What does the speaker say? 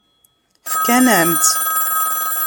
Fkan-am-tt?